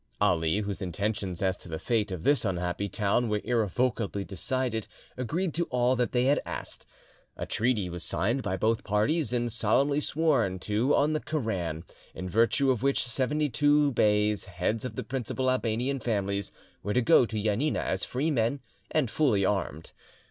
Ali, whose intentions as to the fate of this unhappy town were irrevocably decided, agreed to all that they asked. A treaty was signed by both parties, and solemnly sworn to on the Koran, in virtue of which seventy two beys, heads of the principal Albanian families, were to go to Janina as free men, and fully armed.